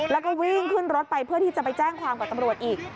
แล้วก็วิ่งขึ้นรถไปเพื่อที่จะไปแจ้งความกับตำรวจอีก